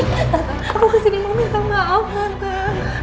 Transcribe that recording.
kamu kesini mau minta maaf santai